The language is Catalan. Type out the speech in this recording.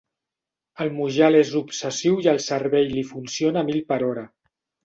El Mujal és obsessiu i el cervell li funciona a mil per hora.